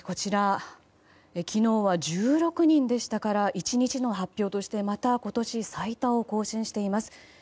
昨日は１６人でしたから１日の発表としてまた今年最多を更新しています。